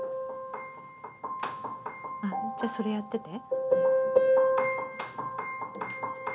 じゃあそれやってて。